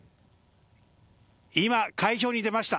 今、海氷に出ました。